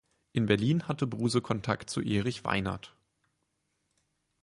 In Berlin hatte Bruse Kontakt zu Erich Weinert.